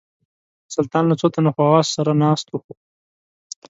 سلطان له څو تنو خواصو سره ناست وو.